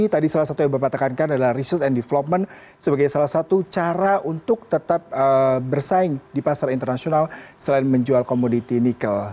tadi salah satu yang bapak tekankan adalah research and development sebagai salah satu cara untuk tetap bersaing di pasar internasional selain menjual komoditi nikel